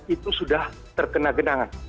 itu sudah terkena genangan